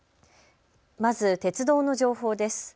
まず鉄道の情報です。